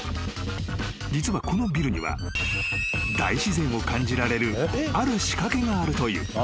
［実はこのビルには大自然を感じられるある仕掛けがあるという］